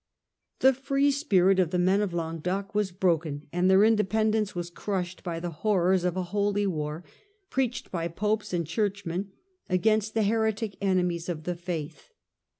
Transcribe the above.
The free spirit of the men of Languedoc was broken and their independence was crushed by the horrors of a "holy war," preached by Popes and Churchmen against the heretic enemies of the faith.